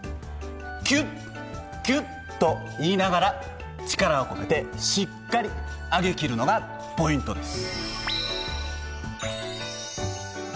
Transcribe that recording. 「きゅっきゅっ」と言いながら力を込めてしっかり上げ切るのがポイントです。